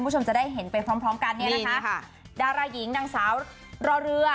จะได้เห็นไปพร้อมกันนี้นะคะดาราหญิงนางสาวรอเรือ